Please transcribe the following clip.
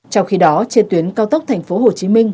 trong khi đó trên tuyến cao tốc thành phố hồ chí minh